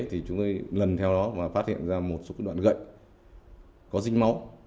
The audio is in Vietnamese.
thì chúng tôi lần theo đó và phát hiện ra một số đoạn gậy có dính máu